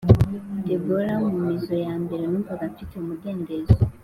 Deborah mu mizo ya mbere numvise mfite umudendezo